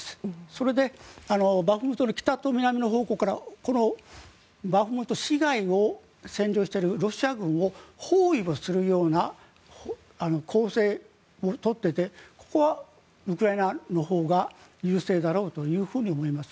それでバフムトの北と南の方向からこのバフムト市街を占領しているロシア軍を包囲をするような攻勢を取っていてここはウクライナのほうが優勢だろうと思います。